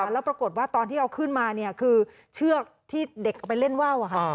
แล้วปรากฏว่าตอนที่เอาขึ้นมาคือเชือกที่เด็กไปเล่นว่าวค่ะ